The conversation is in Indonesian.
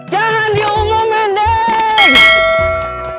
jangan diomongin degh